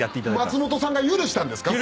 松本さんが許したんですか？